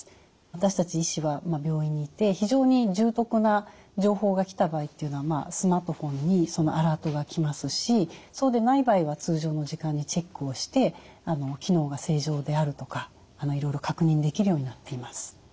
私たち医師は病院にいて非常に重篤な情報が来た場合っていうのはスマートフォンにアラートが来ますしそうでない場合は通常の時間にチェックをして機能が正常であるとかいろいろ確認できるようになっています。